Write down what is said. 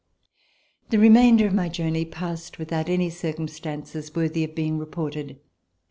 The remainder of my journey passed without any circumstances worthy of being reported.